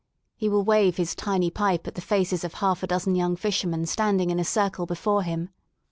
He will wave his tiny pipe at the faces of half a dozen young fishermen standing in a circle before him.